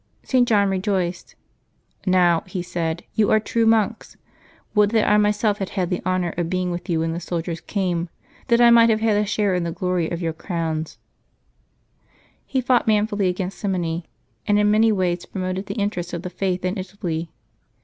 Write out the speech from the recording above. St. John rejoiced. " Now," he said, '^ you are true monks. Would that I my self had had the honor of being with you when the soldiers came, that I might have had a share in the glory of your crowns I " He fought manfully against simony, and in many ways promoted the interest of the Faith in Italy.